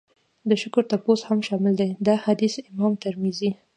د شکر تپوس هم شامل دی. دا حديث امام ترمذي